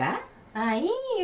ああいいよ。